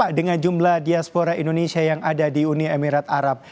dengan jumlah diaspora indonesia yang ada di uni emirat arab